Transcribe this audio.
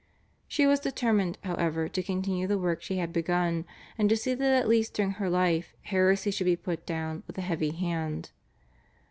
She was determined, however, to continue the work she had begun, and to see that at least during her life heresy should be put down with a heavy hand.